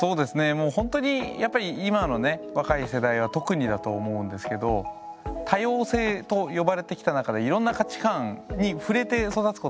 もうほんとにやっぱり今のね若い世代は特にだと思うんですけど多様性と呼ばれてきた中でいろんな価値観に触れて育つことができたわけじゃないですか。